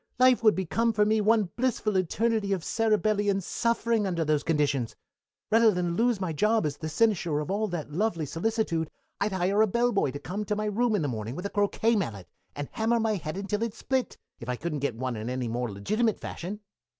Life would become for me one blissful eternity of cerebellian suffering under those conditions. Rather that lose my job as the cynosure of all that lovely solicitude I'd hire a bellboy to come to my room in the morning with a croquet mallet and hammer my head until it split, if I couldn't get one in any more legitimate fashion.